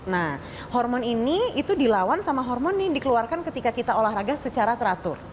nah hormon ini itu dilawan sama hormon yang dikeluarkan ketika kita olahraga secara teratur